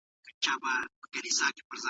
په مرکه کي بايد د هيچا سپکاوی ونه سي.